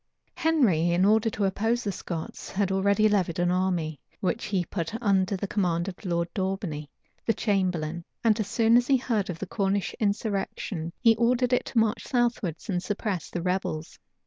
Henry, in order to oppose the Scots, had already levied an army, which he put under the command of Lord Daubeney, the chamberlain; and as soon as he heard of the Cornish insurrection, he ordered it to march southwards and suppress the rebels.